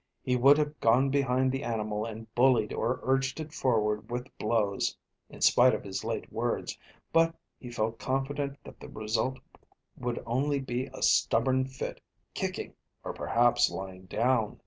He would have gone behind the animal and bullied or urged it forward with blows, in spite of his late words, but he felt confident that the result would only be a stubborn fit, kicking or perhaps lying down.